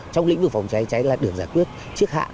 trong lĩnh vực phòng cháy cháy là được giải quyết trước hạn